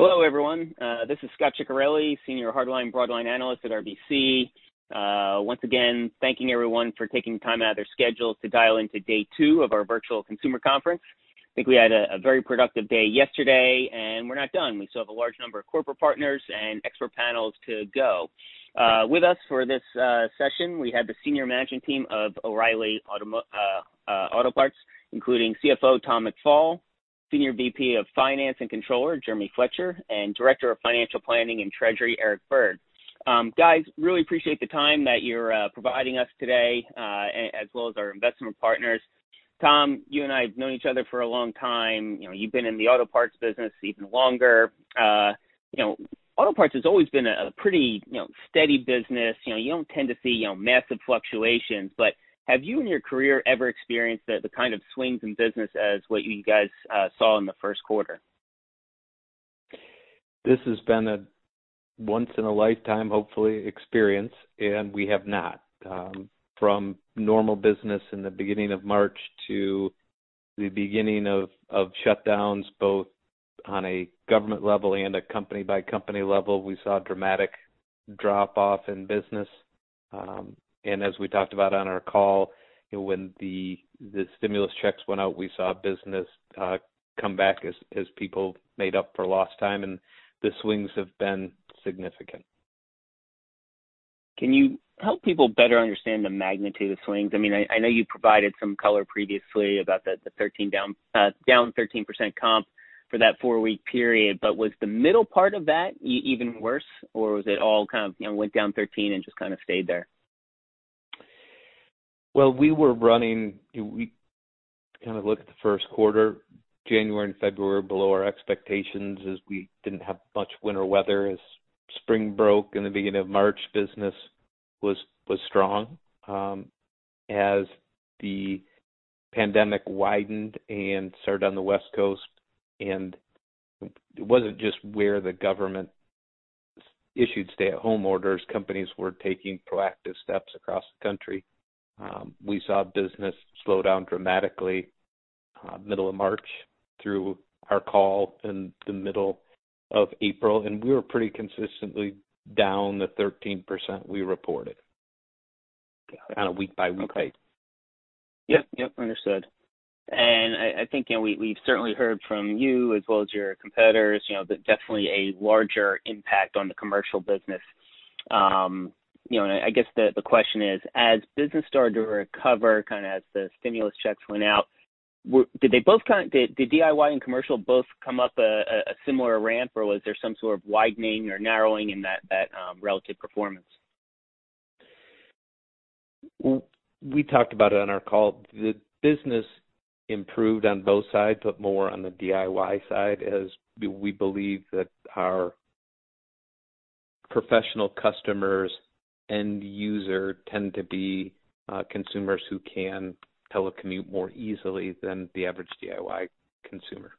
Hello, everyone. This is Scot Ciccarelli, Senior Hardline and Broadline Analyst at RBC. Once again, thanking everyone for taking the time out of their schedules to dial into day two of our virtual consumer conference. I think we had a very productive day yesterday, and we're not done. We still have a large number of corporate partners and expert panels to go. With us for this session, we have the senior management team of O'Reilly Auto Parts, including CFO Tom McFall, Senior VP of Finance and Controller Jeremy Fletcher, and Director of Financial Planning and Treasury Eric Bird. Guys, really appreciate the time that you're providing us today, as well as our investment partners. Tom, you and I have known each other for a long time. You've been in the auto parts business even longer. Auto Parts has always been a pretty steady business. You don't tend to see massive fluctuations. Have you in your career ever experienced the kind of swings in business as what you guys saw in the first quarter? This has been a once-in-a-lifetime, hopefully, experience, and we have not. From normal business in the beginning of March to the beginning of shutdowns, both on a government level and a company-by-company level, we saw a dramatic drop-off in business. As we talked about on our call, when the stimulus checks went out, we saw business come back as people made up for lost time. The swings have been significant. Can you help people better understand the magnitude of swings? I know you provided some color previously about the 13% down, down 13% comp for that four-week period. Was the middle part of that even worse, or was it all kind of went down 13% and just kind of stayed there? We were running, you kind of look at the first quarter, January and February, below our expectations as we didn't have much winter weather. As spring broke in the beginning of March, business was strong. As the pandemic widened and started on the West Coast, and it wasn't just where the government issued stay-at-home orders, companies were taking proactive steps across the country. We saw business slow down dramatically middle of March through our call in the middle of April. We were pretty consistently down the 13% we reported on a week-by-week basis. Right. Understood. I think we've certainly heard from you, as well as your competitors, that definitely a larger impact on the commercial business. I guess the question is, as business started to recover, kind of as the stimulus checks went out, did they both kind of, did DIY and commercial both come up a similar ramp? Or was there some sort of widening or narrowing in that relative performance? We talked about it on our call. The business improved on both sides, but more on the DIY side, as we believe that our professional customers, end users, tend to be consumers who can telecommute more easily than the average DIY consumer.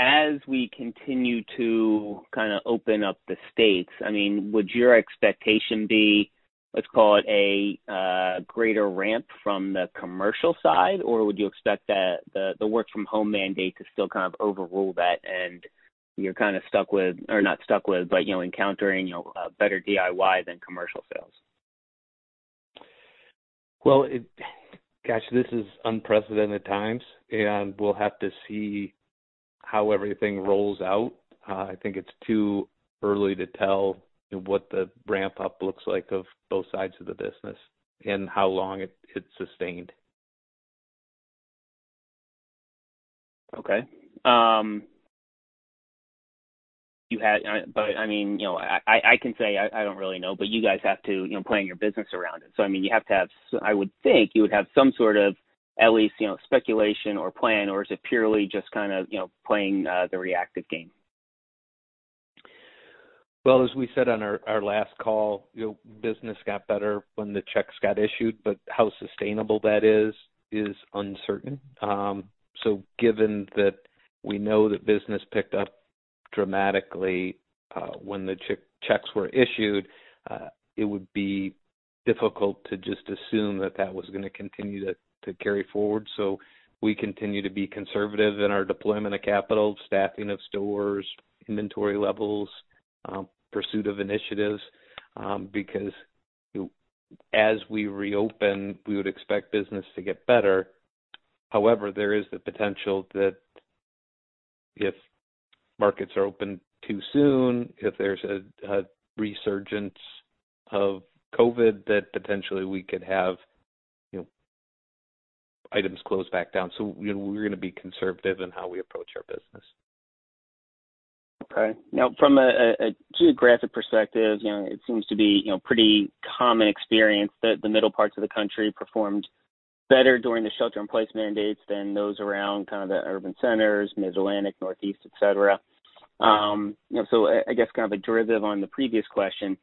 As we continue to kind of open up the states, would your expectation be, let's call it, a greater ramp from the commercial side? Would you expect that the work-from-home mandate to still kind of overrule that, and you're kind of stuck with, or not stuck with, but encountering a better DIY than commercial sales? This is unprecedented times. We'll have to see how everything rolls out. I think it's too early to tell what the ramp-up looks like of both sides of the business and how long it's sustained. Ok. I mean, I can say I don't really know. You guys have to plan your business around it. I mean, you have to have, I would think you would have some sort of at least speculation or plan. Is it purely just kind of playing the reactive game? As we said on our last call, business got better when the checks got issued. However, how sustainable that is is uncertain. Given that we know that business picked up dramatically when the checks were issued, it would be difficult to just assume that that was going to continue to carry forward. We continue to be conservative in our deployment of capital, staffing of stores, inventory levels, and pursuit of initiatives. As we reopen, we would expect business to get better. However, there is the potential that if markets are open too soon, if there's a resurgence of COVID, potentially we could have items close back down. We are going to be conservative in how we approach our business. Ok. Now, from a geographic perspective, it seems to be a pretty common experience that the middle parts of the country performed better during the shelter-in-place mandates than those around the urban centers, Mid-Atlantic, Northeast, etc. I guess the derivative on the previous question,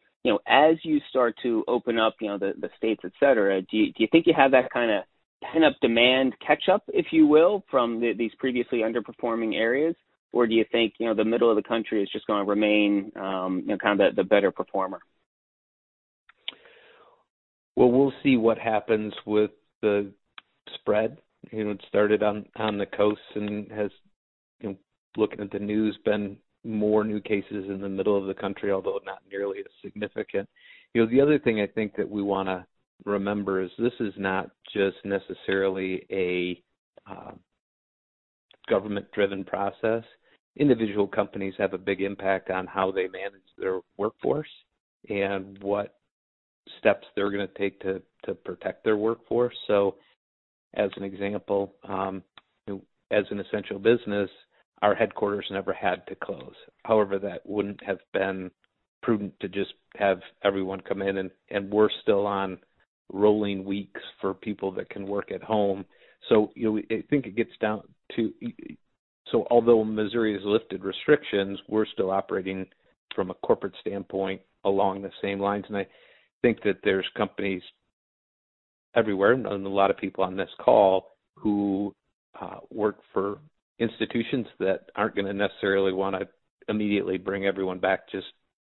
as you start to open up the states, etc., do you think you have that kind of pent-up demand catch-up, if you will, from these previously underperforming areas? Do you think the middle of the country is just going to remain the better performer? We will see what happens with the spread. It started on the coasts and has, looking at the news, been more new cases in the middle of the country, although not nearly as significant. The other thing I think that we want to remember is this is not just necessarily a government-driven process. Individual companies have a big impact on how they manage their workforce and what steps they're going to take to protect their workforce. As an example, as an essential business, our headquarters never had to close. However, that wouldn't have been prudent to just have everyone come in. We're still on rolling weeks for people that can work at home. I think it gets down to, although Missouri has lifted restrictions, we're still operating from a corporate standpoint along the same lines. I think that there's companies everywhere, and a lot of people on this call who work for institutions that aren't going to necessarily want to immediately bring everyone back just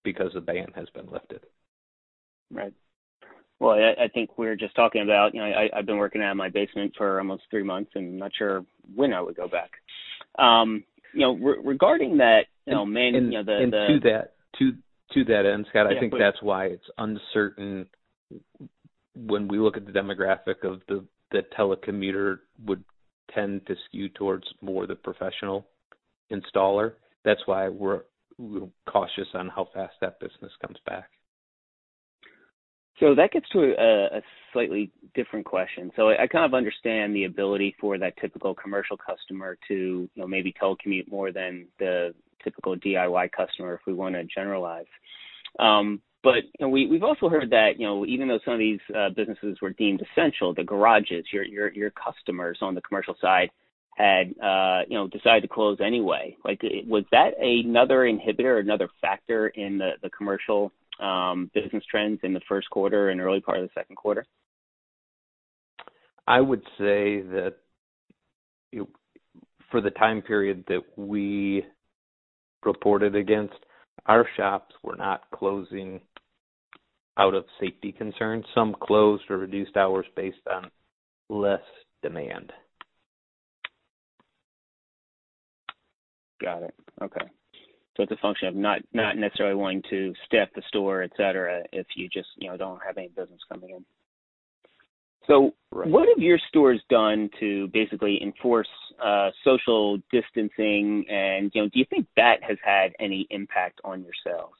because the ban has been lifted. Right. I think we're just talking about, I've been working out of my basement for almost three months and not sure when I would go back regarding that. To that end, Scott, I think that's why it's uncertain when we look at the demographic of the telecommuter, which would tend to skew more towards the professional installer. That's why we're cautious on how fast that business comes back. That gets to a slightly different question. I kind of understand the ability for that typical commercial customer to maybe telecommute more than the typical DIY customer if we want to generalize. We've also heard that even though some of these businesses were deemed essential, the garages, your customers on the commercial side, had decided to close anyway. Was that another inhibitor, another factor in the commercial business trends in the first quarter and early part of the second quarter? I would say that for the time period that we reported against, our shops were not closing out of safety concerns. Some closed or reduced hours based on less demand. Got it. Ok. It's a function of not necessarily wanting to stay at the store, et cetera, if you just don't have any business coming in. What have your stores done to basically enforce social distancing? Do you think that has had any impact on your sales?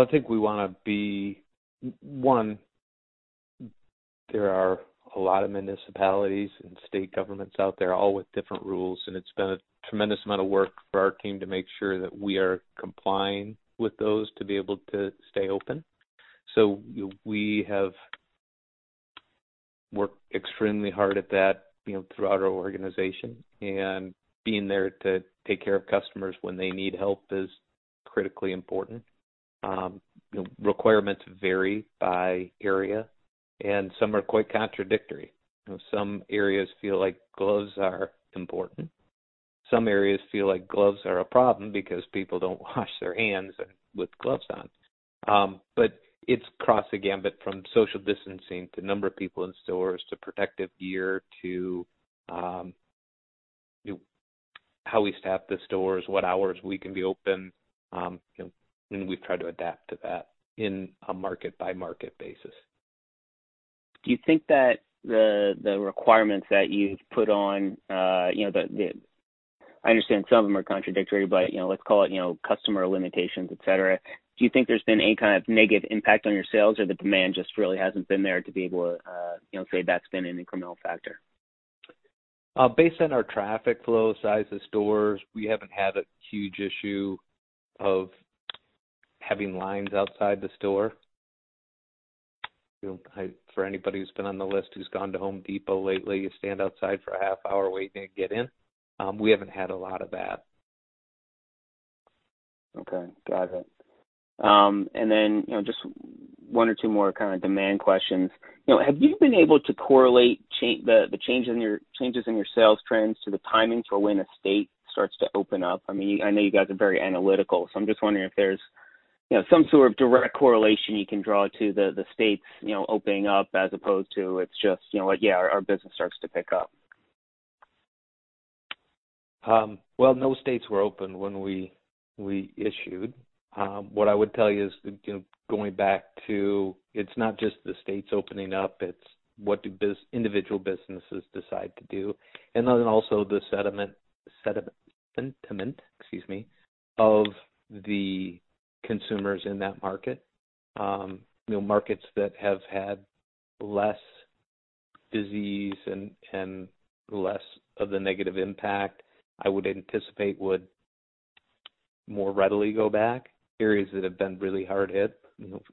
I think we want to be, one, there are a lot of municipalities and state governments out there, all with different rules. It's been a tremendous amount of work for our team to make sure that we are complying with those to be able to stay open. We have worked extremely hard at that throughout our organization. Being there to take care of customers when they need help is critically important. Requirements vary by area, and some are quite contradictory. Some areas feel like gloves are important. Some areas feel like gloves are a problem because people don't wash their hands with gloves on. It's across the gambit from social distancing to the number of people in stores to protective gear to how we staff the stores, what hours we can be open. We've tried to adapt to that in a market-by-market basis. Do you think that the requirements that you've put on, I understand some of them are contradictory, but let's call it customer limitations, et cetera. Do you think there's been any kind of negative impact on your sales, or the demand just really hasn't been there to be able to say that's been an incremental factor? Based on our traffic flow size of stores, we haven't had a huge issue of having lines outside the store. For anybody who's been on the list who's gone to Home Depot lately, you stand outside for a half hour waiting to get in. We haven't had a lot of that. Ok. Got it. Just one or two more kind of demand questions. Have you been able to correlate the changes in your sales trends to the timing for when a state starts to open up? I know you guys are very analytical. I'm just wondering if there's some sort of direct correlation you can draw to the states opening up as opposed to it's just, yeah, our business starts to pick up. No states were open when we issued. What I would tell you is going back to it's not just the states opening up. It's what do individual businesses decide to do, and also the sentiment of the consumers in that market. Markets that have had less disease and less of the negative impact, I would anticipate would more readily go back. Areas that have been really hard hit,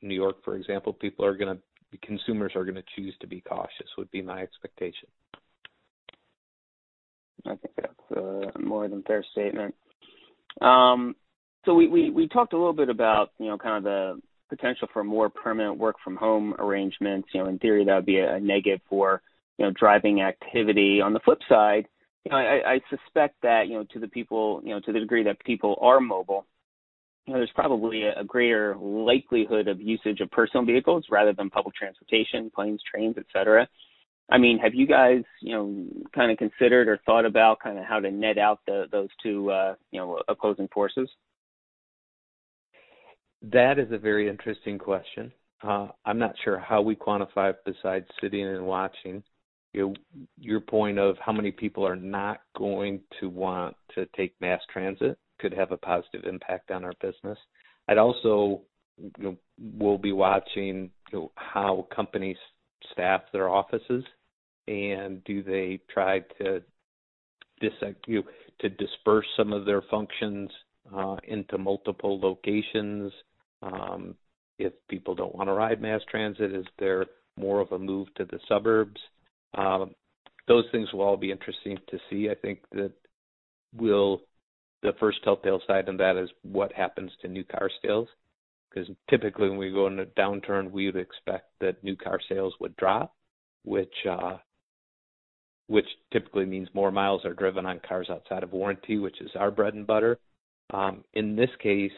New York, for example, people are going to, consumers are going to choose to be cautious, would be my expectation. I think that's a more than fair statement. We talked a little bit about the potential for more permanent work-from-home arrangements. In theory, that would be a negative for driving activity. On the flip side, I suspect that to the degree that people are mobile, there's probably a greater likelihood of usage of personal vehicles rather than public transportation, planes, trains, et cetera. Have you guys considered or thought about how to net out those two opposing forces? That is a very interesting question. I'm not sure how we quantify it besides sitting and watching. Your point of how many people are not going to want to take mass transit could have a positive impact on our business. We'll be watching how companies staff their offices. Do they try to disperse some of their functions into multiple locations? If people don't want to ride mass transit, is there more of a move to the suburbs? Those things will all be interesting to see. I think that the first telltale sign of that is what happens to new car sales. Because typically, when we go into a downturn, we would expect that new car sales would drop, which typically means more miles are driven on cars outside of warranty, which is our bread and butter. In this case,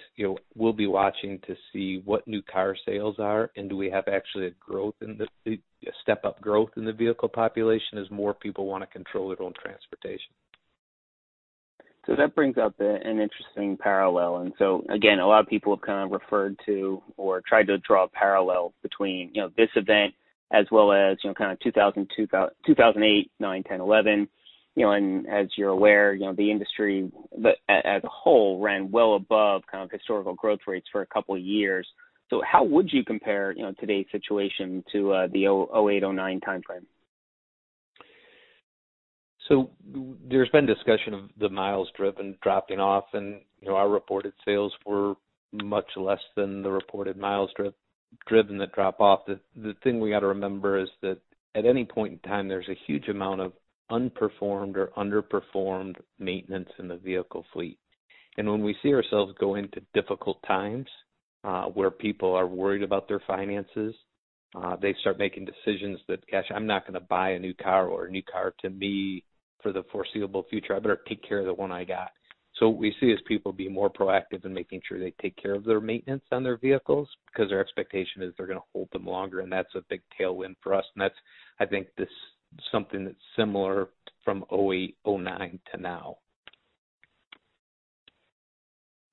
we'll be watching to see what new car sales are. Do we have actually a growth in the step-up growth in the vehicle population as more people want to control their own transportation? That brings up an interesting parallel. A lot of people have kind of referred to or tried to draw a parallel between this event as well as kind of 2008, 2009, 2010, 2011. As you're aware, the industry as a whole ran well above kind of historical growth rates for a couple of years. How would you compare today's situation to the 2008, 2009 time frame? There has been discussion of the miles driven dropping off. Our reported sales were much less than the reported miles driven that drop off. The thing we have to remember is that at any point in time, there is a huge amount of unperformed or underperformed maintenance in the vehicle fleet. When we see ourselves going to difficult times where people are worried about their finances, they start making decisions that, gosh, I'm not going to buy a new car or a new car to me for the foreseeable future. I better take care of the one I have. What we see is people be more proactive in making sure they take care of their maintenance on their vehicles because their expectation is they're going to hold them longer. That is a big tailwind for us. I think that's something that's similar from 2008, 2009 to now.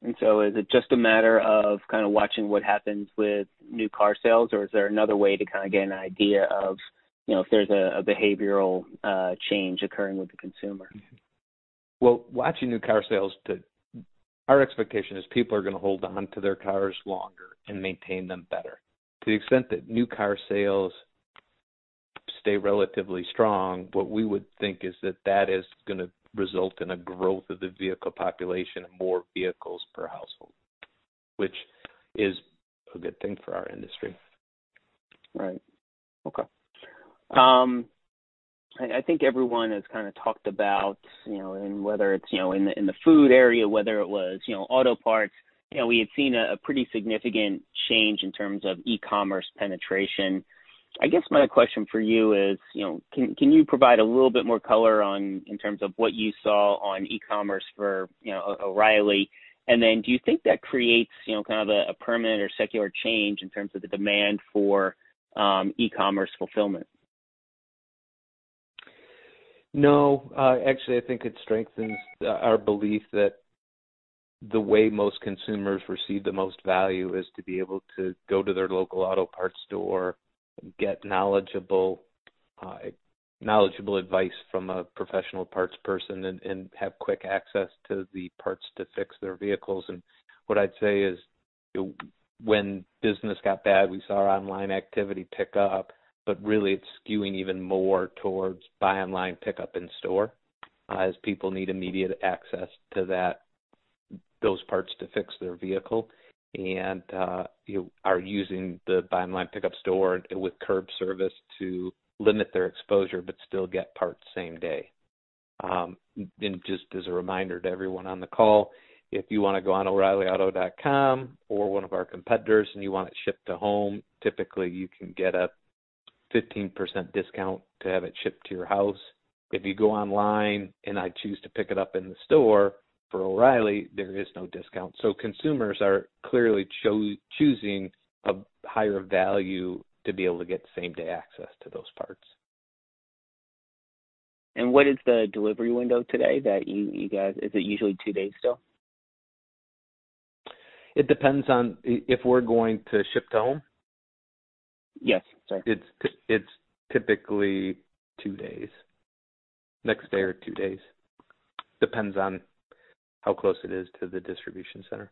Is it just a matter of kind of watching what happens with new car sales, or is there another way to kind of get an idea of if there's a behavioral change occurring with the consumer? Watching new car sales, our expectation is people are going to hold on to their cars longer and maintain them better. To the extent that new car sales stay relatively strong, what we would think is that is going to result in a growth of the vehicle population and more vehicles per household, which is a good thing for our industry. Right. Ok. I think everyone has kind of talked about, whether it's in the food area or whether it was auto parts, we had seen a pretty significant change in terms of e-commerce penetration. I guess my question for you is, can you provide a little bit more color in terms of what you saw on e-commerce for O'Reilly? Do you think that creates kind of a permanent or secular change in terms of the demand for e-commerce fulfillment? No. Actually, I think it strengthens our belief that the way most consumers receive the most value is to be able to go to their local auto parts store and get knowledgeable advice from a professional parts person and have quick access to the parts to fix their vehicles. What I'd say is when business got bad, we saw our online activity pick up. It is really skewing even more towards buy-online, pick-up-in-store as people need immediate access to those parts to fix their vehicle and are using the buy-online, pick-up-in-store with curbside services to limit their exposure but still get parts same day. Just as a reminder to everyone on the call, if you want to go on oreillyauto.com or one of our competitors and you want it shipped to home, typically you can get a 15% discount to have it shipped to your house. If you go online and choose to pick it up in the store for O'Reilly, there is no discount. Consumers are clearly choosing a higher value to be able to get same-day access to those parts. What is the delivery window today that you guys, is it usually two days still? It depends on if we're going to ship to home. Yes. It's typically two days, next day or two days. Depends on how close it is to the distribution center.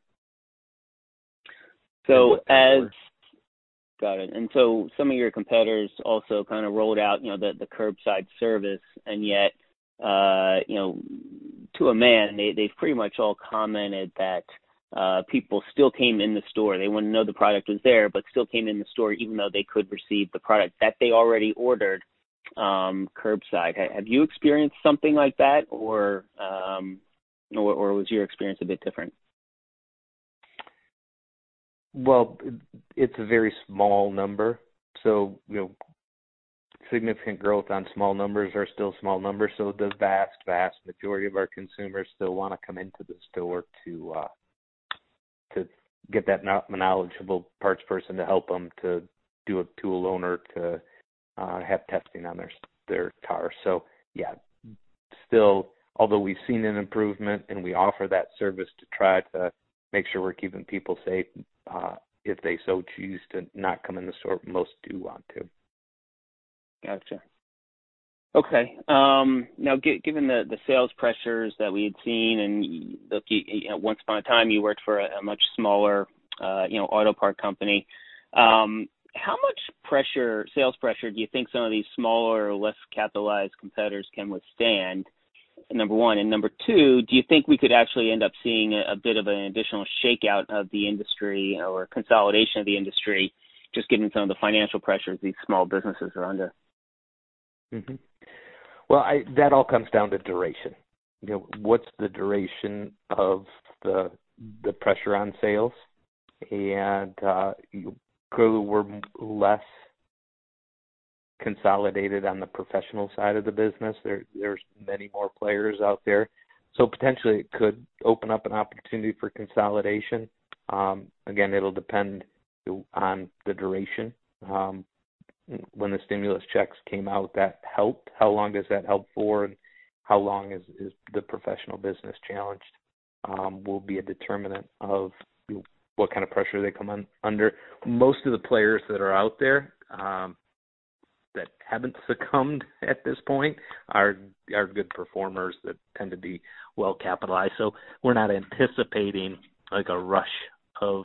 Got it. Some of your competitors also kind of rolled out the curbside service. Yet, to a man, they've pretty much all commented that people still came in the store. They wouldn't know the product was there, but still came in the store even though they could receive the product that they already ordered curbside. Have you experienced something like that, or was your experience a bit different? It's a very small number. Significant growth on small numbers are still small numbers. The vast, vast majority of our consumers still want to come into the store to get that knowledgeable parts person to help them to do a tool loan or to have testing on their car. Although we've seen an improvement and we offer that service to try to make sure we're keeping people safe, if they so choose to not come in the store, most do want to. Gotcha. Ok. Now, given the sales pressures that we had seen, and once upon a time, you worked for a much smaller auto parts company, how much sales pressure do you think some of these smaller or less capitalized competitors can withstand, number one? Number two, do you think we could actually end up seeing a bit of an additional shakeout of the industry or consolidation of the industry just given some of the financial pressures these small businesses are under? That all comes down to duration. What's the duration of the pressure on sales? We're less consolidated on the professional side of the business. There are many more players out there, so potentially, it could open up an opportunity for consolidation. Again, it will depend on the duration. When the stimulus checks came out, that helped. How long does that help for? How long the professional business is challenged will be a determinant of what kind of pressure they come under. Most of the players that are out there that haven't succumbed at this point are good performers that tend to be well capitalized. We're not anticipating a rush of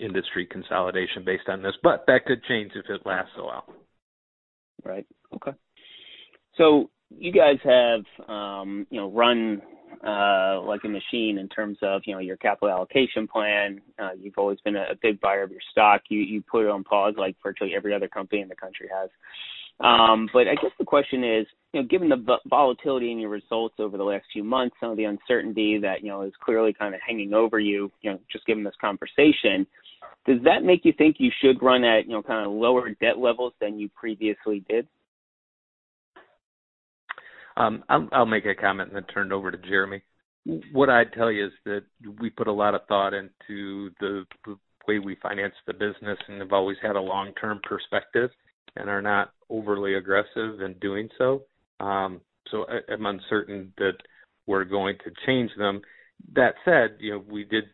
industry consolidation based on this, but that could change if it lasts a while. Right. Ok. You guys have run like a machine in terms of your capital allocation plan. You've always been a big buyer of your stock. You put it on pause like virtually every other company in the country has. I guess the question is, given the volatility in your results over the last few months, some of the uncertainty that is clearly kind of hanging over you, just given this conversation, does that make you think you should run at kind of lower debt levels than you previously did? I'll make a comment and then turn it over to Jeremy. What I'd tell you is that we put a lot of thought into the way we finance the business and have always had a long-term perspective and are not overly aggressive in doing so. I'm uncertain that we're going to change them. That said, we did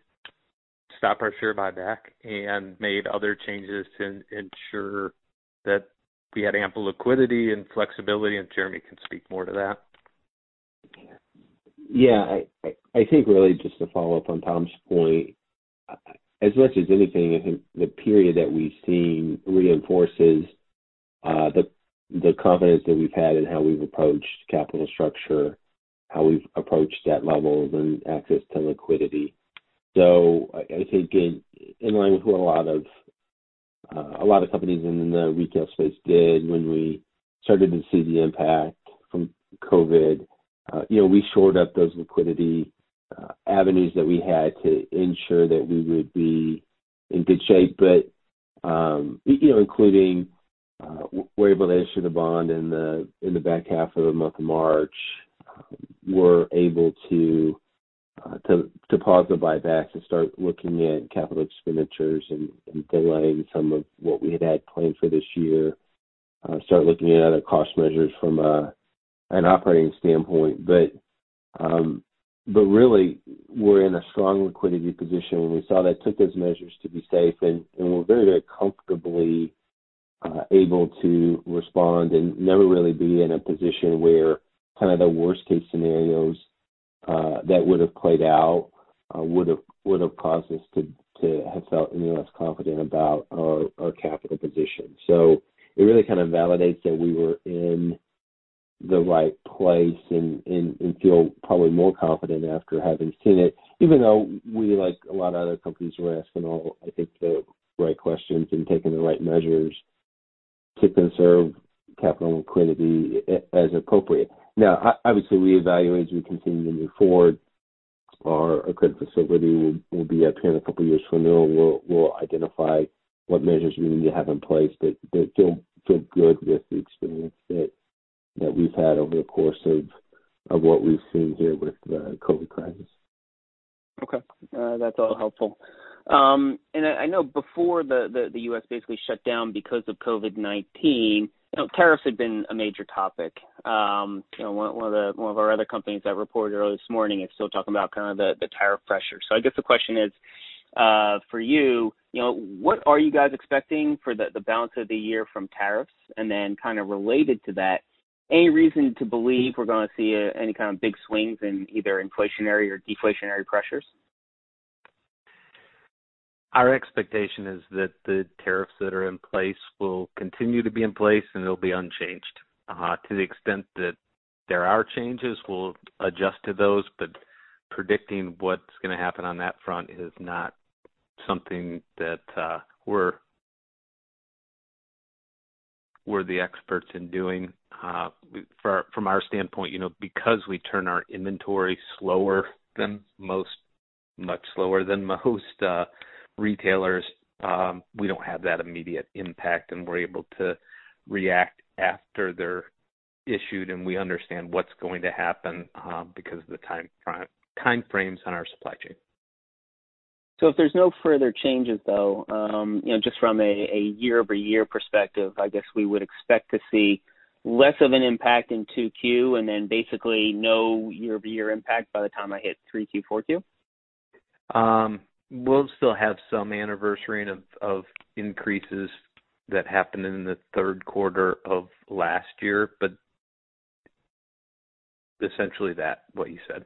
stop our share buyback and made other changes to ensure that we had ample liquidity and flexibility. Jeremy can speak more to that. Yeah. I think really just to follow up on Tom's point, as much as anything, the period that we've seen reinforces the comments that we've had and how we've approached capital structure, how we've approached debt levels, and access to liquidity. I think in line with what a lot of companies in the retail space did when we started to see the impact from COVID, we shored up those liquidity avenues that we had to ensure that we would be in good shape. Including, we were able to issue the bond in the back half of the month of March, we were able to pause the buyback and start looking at capital expenditures and delaying some of what we had had planned for this year, start looking at other cost measures from an operating standpoint. We were in a strong liquidity position when we saw that, took those measures to be safe, and were very, very comfortably able to respond and never really be in a position where kind of the worst-case scenarios that would have played out would have caused us to have felt any less confident about our capital position. It really kind of validates that we were in the right place and feel probably more confident after having seen it, even though we, like a lot of other companies, were asking all, I think, the right questions and taking the right measures to conserve capital liquidity as appropriate. Now, obviously, we evaluate, as we continue to move forward, our credit facility will be up here in a couple of years from now. We'll identify what measures we need to have in place. Feel good with the experience that we've had over the course of what we've seen here with the COVID crisis. OK. That's all helpful. I know before the U.S. basically shut down because of COVID-19, tariffs had been a major topic. One of our other companies that reported early this morning is still talking about kind of the tariff pressure. I guess the question is, for you, what are you guys expecting for the balance of the year from tariffs? Kind of related to that, any reason to believe we're going to see any kind of big swings in either inflationary or deflationary pressures? Our expectation is that the tariffs that are in place will continue to be in place, and they'll be unchanged. To the extent that there are changes, we'll adjust to those. Predicting what's going to happen on that front is not something that we're the experts in doing. From our standpoint, because we turn our inventory slower than most, much slower than most retailers, we don't have that immediate impact. We're able to react after they're issued, and we understand what's going to happen because of the time frames on our supply chain. If there's no further changes, though, just from a year-over-year perspective, I guess we would expect to see less of an impact in 2Q and then basically no year-over-year impact by the time I hit 3Q, 4Q? We still have some anniversary of increases that happened in the third quarter of last year. Essentially, that's what you said.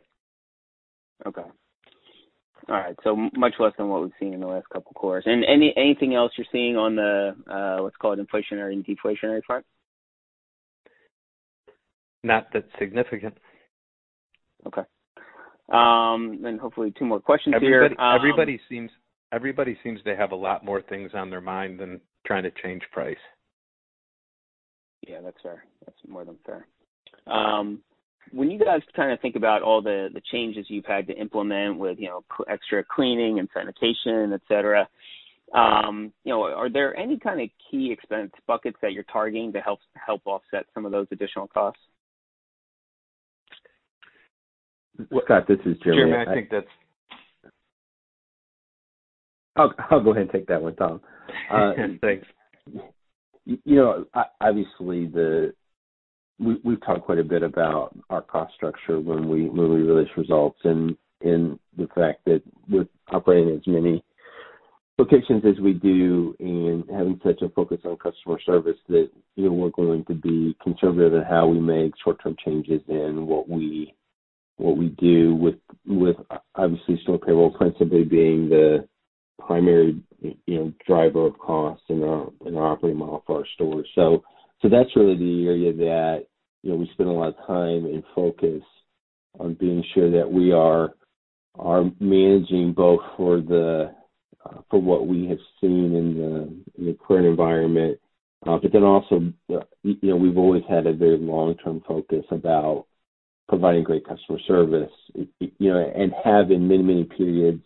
All right. So much less than what we've seen in the last couple of quarters. Anything else you're seeing on the, let's call it, inflationary and deflationary front? Not that significant. Ok. Hopefully, two more questions here. Everybody seems they have a lot more things on their mind than trying to change price. Yeah, that's fair. That's more than fair. When you guys kind of think about all the changes you've had to implement with extra cleaning and sanitation, et cetera, are there any kind of key expense buckets that you're targeting to help offset some of those additional costs? Scott, this is Jeremy. Jeremy, I think that's. I'll go ahead and take that one, Tom. Ok. Thanks. Obviously, we've talked quite a bit about our cost structure when we release results and the fact that we're operating in as many locations as we do and having such a focus on customer service that we're going to be conservative in how we make short-term changes in what we do with, obviously, store payroll principally being the primary driver of cost in our operating model for our stores. That's really the area that we spend a lot of time and focus on being sure that we are managing both for what we have seen in the current environment. We've always had a very long-term focus about providing great customer service and having many, many periods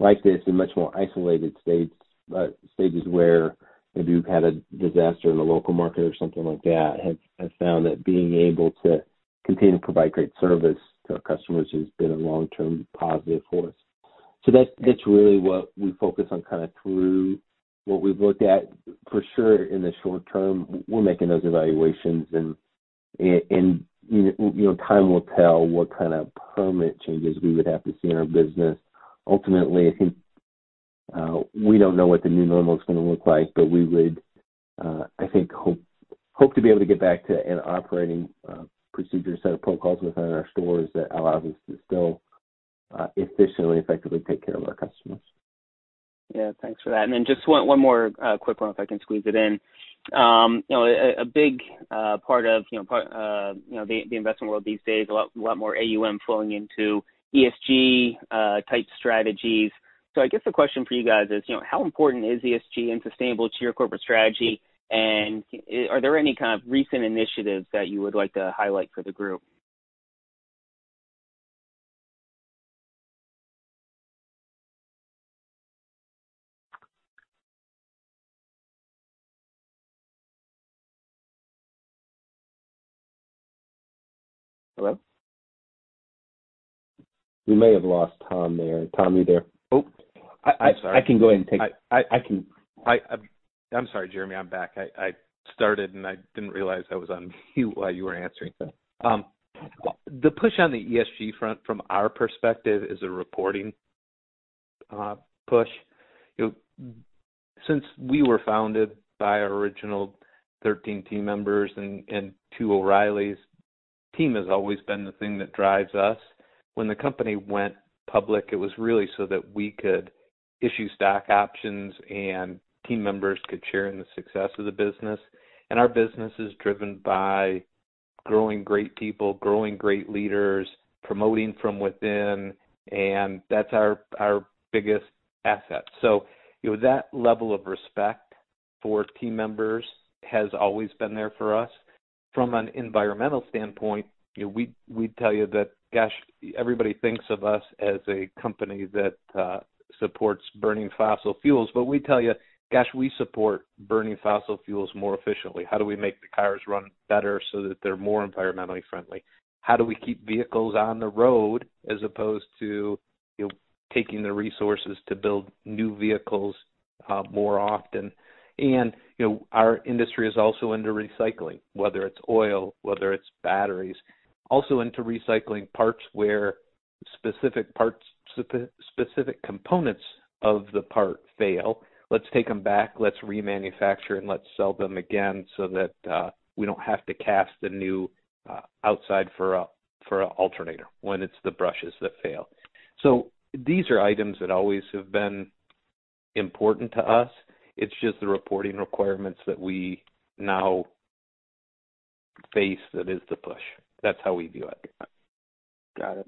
like this in much more isolated stages where maybe we've had a disaster in a local market or something like that, have found that being able to continue to provide great service to our customers has been a long-term positive for us. That's really what we focus on kind of through what we've looked at. For sure, in the short term, we're making those evaluations. Time will tell what kind of permanent changes we would have to see in our business. Ultimately, I think we don't know what the new normal is going to look like. We would, I think, hope to be able to get back to an operating procedure set of protocols within our stores that allow us to still efficiently and effectively take care of our customers. Yeah, thanks for that. Just one more quick one, if I can squeeze it in. A big part of the investment world these days, a lot more AUM flowing into ESG-type strategies. I guess the question for you guys is, how important is ESG and sustainability to your corporate strategy? Are there any kind of recent initiatives that you would like to highlight for the group? Hello? We may have lost Tom there. Tom, you there? Oh. I'm sorry. I can go ahead and take it. I'm sorry, Jeremy. I'm back. I started, and I didn't realize I was on mute while you were answering. The push on the ESG front from our perspective is a reporting push. Since we were founded by our original 13 team members and two O'Reillys, team has always been the thing that drives us. When the company went public, it was really so that we could issue stock options and team members could share in the success of the business. Our business is driven by growing great people, growing great leaders, promoting from within. That's our biggest asset. That level of respect for team members has always been there for us. From an environmental standpoint, we'd tell you that, gosh, everybody thinks of us as a company that supports burning fossil fuels. We tell you, gosh, we support burning fossil fuels more efficiently. How do we make the cars run better so that they're more environmentally friendly? How do we keep vehicles on the road as opposed to taking the resources to build new vehicles more often? Our industry is also into recycling, whether it's oil, whether it's batteries, also into recycling parts where specific parts, specific components of the part fail. Let's take them back. Let's remanufacture and let's sell them again so that we don't have to cast a new outside for an alternator when it's the brushes that fail. These are items that always have been important to us. It's just the reporting requirements that we now face that is the push. That's how we view it. Got it.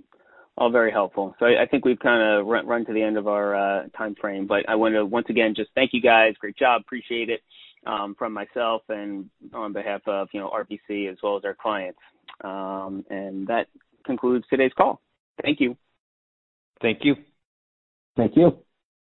All very helpful. I think we've kind of run to the end of our time frame. I want to once again just thank you guys. Great job. Appreciate it from myself and on behalf of RBC as well as our clients. That concludes today's call. Thank you. Thank you. Thank you.